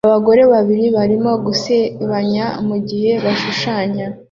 Abagabo babiri barimo gusebanya mugihe bashushanya